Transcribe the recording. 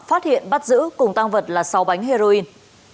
phát hiện bắt giữ cùng tăng vật là sáu bánh heroin